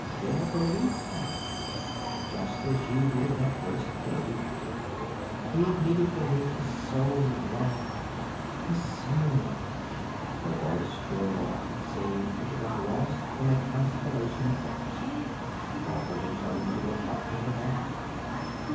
Their belief in us Just as you did that first day we met. We've needed belief for so long ... for so long " Her voice trailed off; it seemed to become lost in a constellation of thoughts. Barbara had turned to look up at Her Majesty.